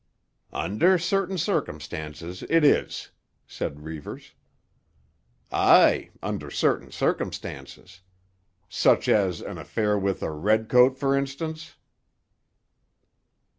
"Under certain circumstances, it is," said Reivers. "Aye; under certain circumstances. Such as an affair with a 'Redcoat,' for instance."